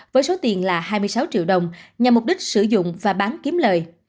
với số tiền là hai mươi sáu triệu đồng nhằm mục đích sử dụng và bán kiếm lời